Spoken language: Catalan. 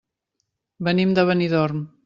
Venim de Benidorm.